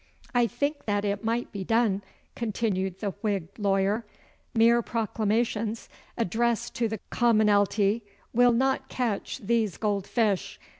'I think that it might be done,' continued the Whig lawyer. 'Mere proclamations addressed to the commonalty will not catch these gold fish.